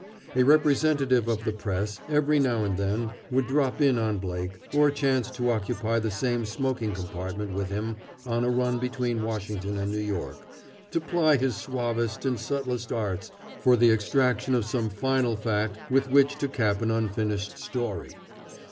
A representative of the press, every now and then, would drop in on Blake, or chance to occupy the same smoking compartment with him on a run between Washington and New York, to ply his suavest and subtlest arts for the extraction of some final fact with which to cap an unfinished "story."